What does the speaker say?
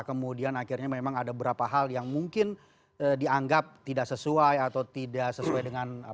kemudian akhirnya memang ada beberapa hal yang mungkin dianggap tidak sesuai atau tidak sesuai dengan